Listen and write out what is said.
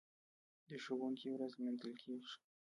د ښوونکي ورځ لمانځل کیږي.